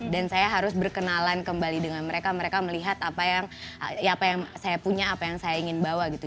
dan saya harus berkenalan kembali dengan mereka mereka melihat apa yang ya apa yang saya punya apa yang saya ingin bawa gitu